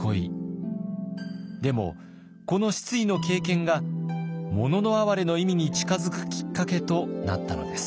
でもこの失意の経験が「もののあはれ」の意味に近づくきっかけとなったのです。